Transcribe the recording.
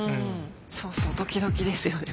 そうそうドキドキですよね